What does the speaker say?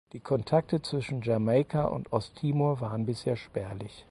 Die Kontakte zwischen Jamaika und Osttimor waren bisher spärlich.